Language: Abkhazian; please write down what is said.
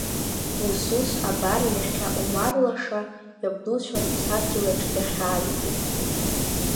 Ус-ус, абар, иахьа Омар лаша иабдуцәа рыԥсадгьылаҿ дахьаазгьы!